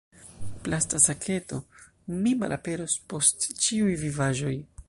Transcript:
Plasta saketo: "Mi malaperos post ĉiuj vivaĵoj!"